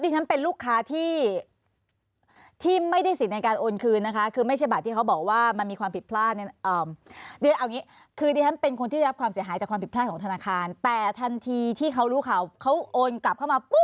แต่ทันทีที่เขารู้ข่าวเขาโอนกลับเข้ามาปุ๊บ